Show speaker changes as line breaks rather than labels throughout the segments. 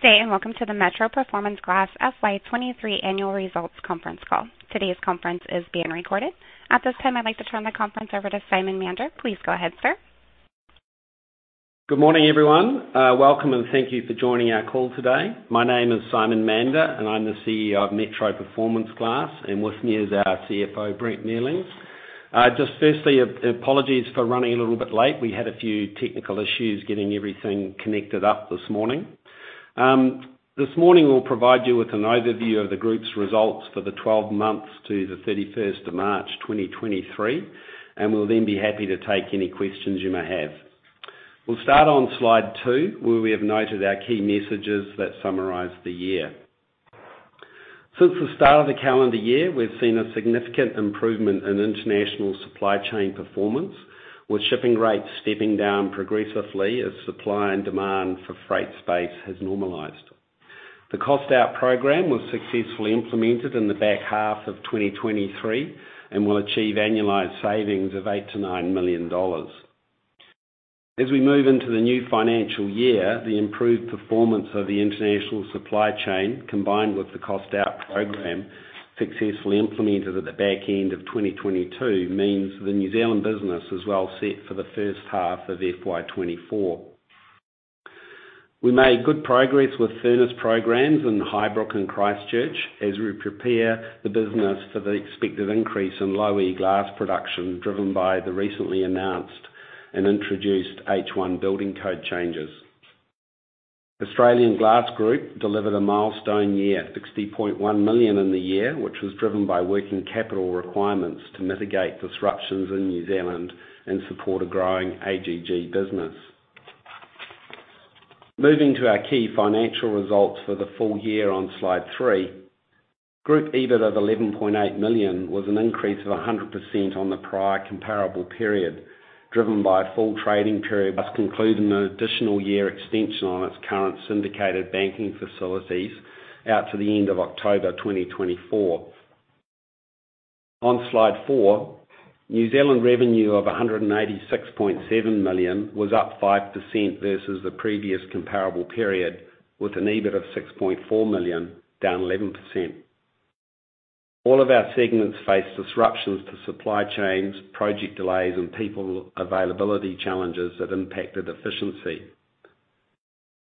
Good day, welcome to the Metro Performance Glass FY 2023 annual results conference call. Today's conference is being recorded. At this time, I'd like to turn the conference over to Simon Mander. Please go ahead, sir.
Good morning, everyone. Welcome, and thank you for joining our call today. My name is Simon Mander, and I'm the CEO of Metro Performance Glass, and with me is our CFO, Brent Mealings. Just firstly, apologies for running a little bit late. We had a few technical issues getting everything connected up this morning. This morning, we'll provide you with an overview of the group's results for the 12 months to the 31st of March, 2023, and we'll then be happy to take any questions you may have. We'll start on slide two, where we have noted our key messages that summarize the year. Since the start of the calendar year, we've seen a significant improvement in international supply chain performance, with shipping rates stepping down progressively as supply and demand for freight space has normalized. The cost-out program was successfully implemented in the back half of 2023 and will achieve annualized savings of 8 million-9 million dollars. We move into the new financial year, the improved performance of the international supply chain, combined with the cost-out program, successfully implemented at the back end of 2022, means the New Zealand business is well set for the first half of FY 2024. We made good progress with furnace programs in Highbrook and Christchurch, as we prepare the business for the expected increase in Low E glass production, driven by the recently announced and introduced H1 building code changes. Australian Glass Group delivered a milestone year, 60.1 million in the year, which was driven by working capital requirements to mitigate disruptions in New Zealand and support a growing AGG business. Moving to our key financial results for the full year on slide three, group EBIT of 11.8 million was an increase of 100% on the prior comparable period, driven by a full trading period, thus concluding an additional year extension on its current syndicated banking facilities out to the end of October 2024. On slide four, New Zealand revenue of 186.7 million was up 5% versus the previous comparable period, with an EBIT of 6.4 million, down 11%. All of our segments faced disruptions to supply chains, project delays, and people availability challenges that impacted efficiency.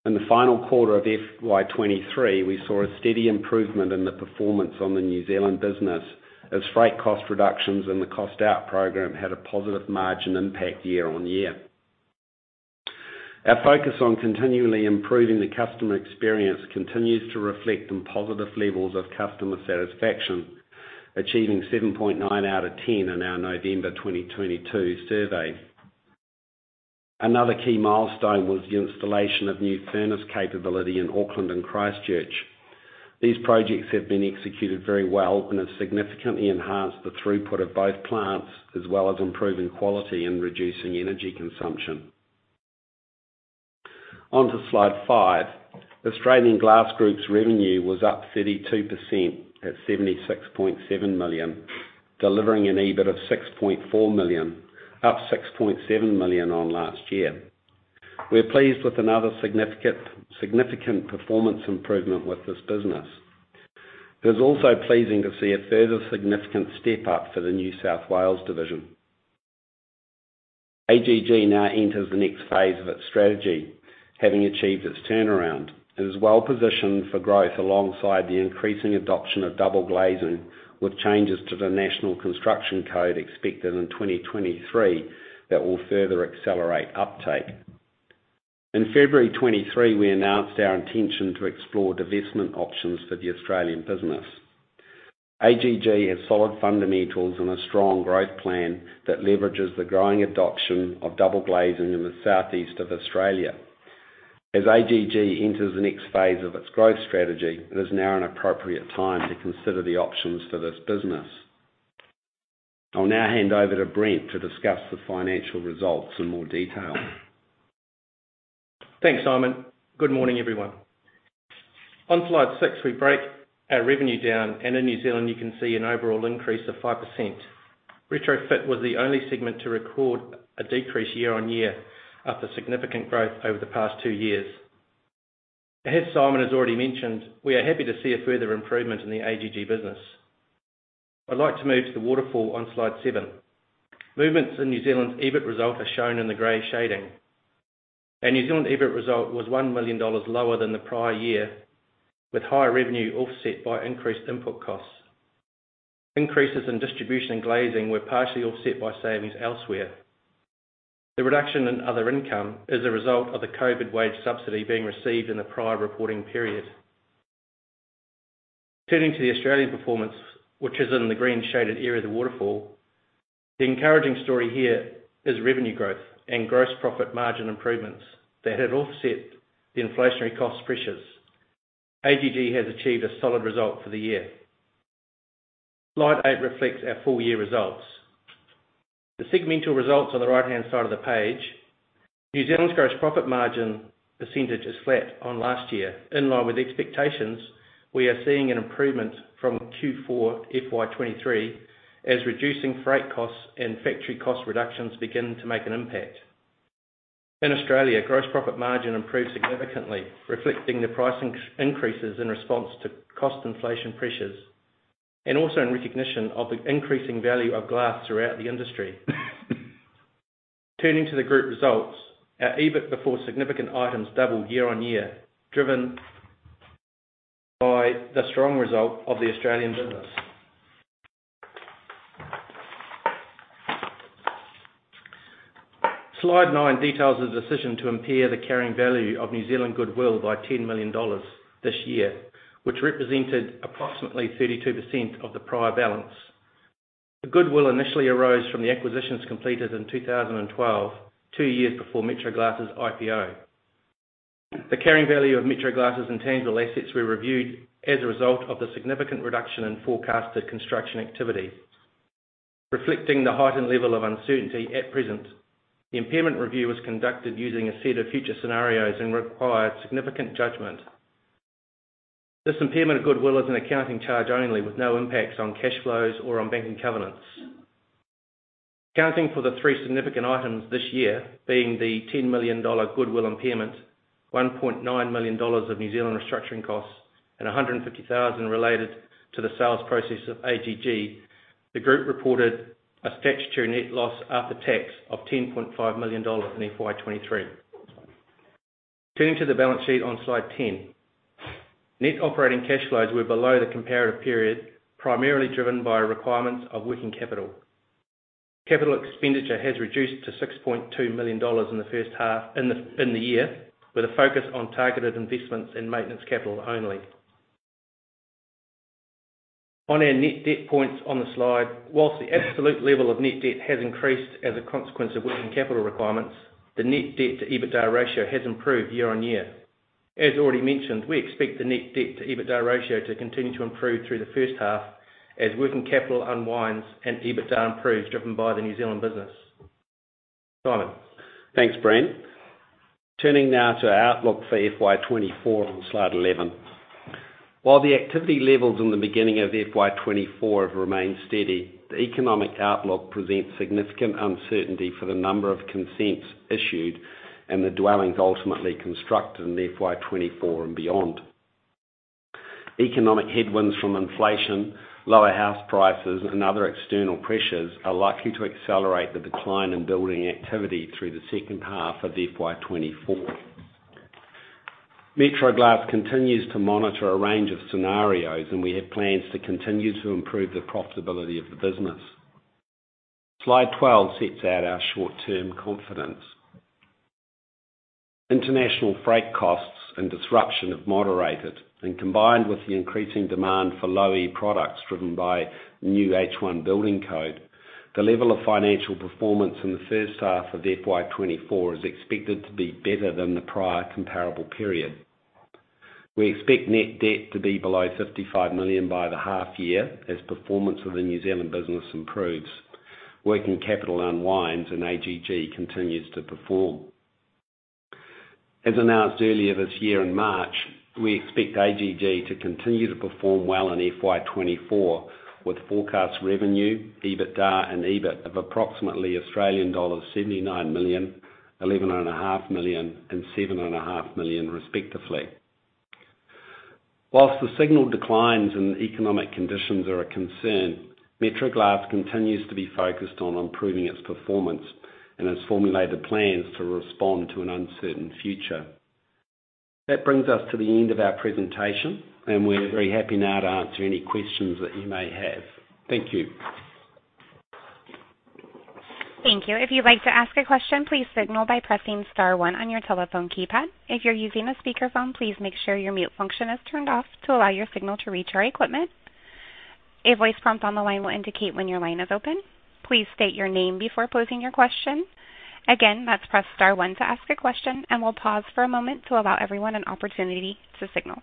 In the final quarter of FY 2023, we saw a steady improvement in the performance on the New Zealand business, as freight cost reductions and the cost-out program had a positive margin impact year-on-year. Our focus on continually improving the customer experience continues to reflect on positive levels of customer satisfaction, achieving 7.9 out of 10 in our November 2022 survey. Another key milestone was the installation of new furnace capability in Auckland and Christchurch. These projects have been executed very well and have significantly enhanced the throughput of both plants, as well as improving quality and reducing energy consumption. On to slide five. Australian Glass Group's revenue was up 32% at 76.7 million, delivering an EBIT of 6.4 million, up 6.7 million on last year. We're pleased with another significant performance improvement with this business. It is also pleasing to see a further significant step up for the New South Wales division. AGG now enters the next phase of its strategy, having achieved its turnaround. It is well positioned for growth alongside the increasing adoption of double glazing, with changes to the National Construction Code expected in 2023 that will further accelerate uptake. In February 23, we announced our intention to explore divestment options for the Australian business. AGG has solid fundamentals and a strong growth plan that leverages the growing adoption of double glazing in the southeast of Australia. As AGG enters the next phase of its growth strategy, it is now an appropriate time to consider the options for this business. I'll now hand over to Brent to discuss the financial results in more detail.
Thanks, Simon. Good morning, everyone. On slide six, we break our revenue down. In New Zealand, you can see an overall increase of 5%. RetroFit was the only segment to record a decrease year on year, after significant growth over the past two years. As Simon has already mentioned, we are happy to see a further improvement in the AGG business. I'd like to move to the waterfall on slide seven. Movements in New Zealand's EBIT result are shown in the gray shading. Our New Zealand EBIT result was 1 million dollars lower than the prior year, with higher revenue offset by increased input costs. Increases in distribution and glazing were partially offset by savings elsewhere. The reduction in other income is a result of the COVID wage subsidy being received in the prior reporting period. Turning to the Australian performance, which is in the green shaded area of the waterfall, the encouraging story here is revenue growth and gross profit margin improvements that have offset the inflationary cost pressures. AGG has achieved a solid result for the year. Slide eight reflects our full-year results. The segmental results are on the right-hand side of the page. New Zealand's gross profit margin percentage is flat on last year, in line with expectations. We are seeing an improvement from Q4 FY 2023, as reducing freight costs and factory cost reductions begin to make an impact. In Australia, gross profit margin improved significantly, reflecting the pricing increases in response to cost inflation pressures, and also in recognition of the increasing value of glass throughout the industry. Turning to the group results, our EBIT before significant items doubled year-on-year, driven by the strong result of the Australian business. Slide nine details the decision to impair the carrying value of New Zealand goodwill by 10 million dollars this year, which represented approximately 32% of the prior balance. The goodwill initially arose from the acquisitions completed in 2012, two years before Metro Glass' IPO. The carrying value of Metro Glass' intangible assets were reviewed as a result of the significant reduction in forecasted construction activity. Reflecting the heightened level of uncertainty at present, the impairment review was conducted using a set of future scenarios and required significant judgment. This impairment of goodwill is an accounting charge only with no impacts on cash flows or on banking covenants. Accounting for the three significant items this year, being the 10 million dollar goodwill impairment, 1.9 million dollars of New Zealand restructuring costs, and 150,000 related to the sales process of AGG, the group reported a statutory net loss after tax of NZD 10.5 million in FY 2023. Turning to the balance sheet on slide 10. Net operating cash flows were below the comparative period, primarily driven by requirements of working capital. Capital expenditure has reduced to 6.2 million dollars in the year, with a focus on targeted investments and maintenance capital only. On our net debt points on the slide, whilst the absolute level of net debt has increased as a consequence of working capital requirements, the net debt to EBITDA ratio has improved year-on-year. As already mentioned, we expect the net debt to EBITDA ratio to continue to improve through the first half as working capital unwinds and EBITDA improves, driven by the New Zealand business. Simon?
Thanks, Brent. Turning now to our outlook for FY 2024 on slide 11. While the activity levels in the beginning of FY 2024 have remained steady, the economic outlook presents significant uncertainty for the number of consents issued and the dwellings ultimately constructed in FY 2024 and beyond. Economic headwinds from inflation, lower house prices, and other external pressures are likely to accelerate the decline in building activity through the second half of FY 2024. Metro Glass continues to monitor a range of scenarios. We have plans to continue to improve the profitability of the business. Slide 12 sets out our short-term confidence. International freight costs and disruption have moderated. Combined with the increasing demand for Low E products, driven by new H1 building code, the level of financial performance in the first half of FY 2024 is expected to be better than the prior comparable period. We expect net debt to be below 55 million by the half year as performance of the New Zealand business improves, working capital unwinds, and AGG continues to perform. As announced earlier this year in March, we expect AGG to continue to perform well in FY 2024, with forecast revenue, EBITDA, and EBIT of approxima`tely Australian dollars 79 million, 11.5 million, and 7.5 million, respectively. While the signal declines in economic conditions are a concern, Metro Glass continues to be focused on improving its performance and has formulated plans to respond to an uncertain future. That brings us to the end of our presentation, and we're very happy now to answer any questions that you may have. Thank you.
Thank you. If you'd like to ask a question, please signal by pressing star one on your telephone keypad. If you're using a speakerphone, please make sure your mute function is turned off to allow your signal to reach our equipment. A voice prompt on the line will indicate when your line is open. Please state your name before posing your question. Again, let's press star one to ask a question, and we'll pause for a moment to allow everyone an opportunity to signal.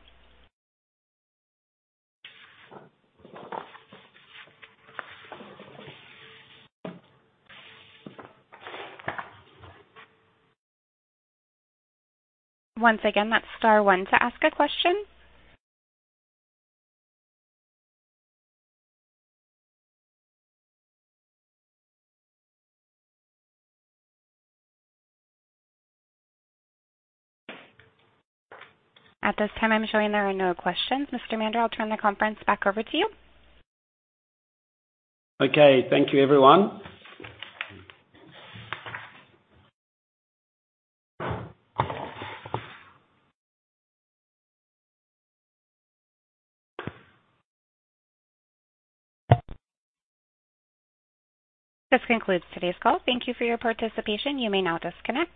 Once again, that's star one to ask a question. At this time, I'm showing there are no questions. Mr. Mander, I'll turn the conference back over to you.
Okay, thank you, everyone.
This concludes today's call. Thank you for your participation. You may now disconnect.